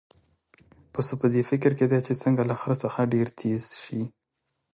پسه په دې فکر کې دی چې څنګه له خره څخه ډېر تېز شي.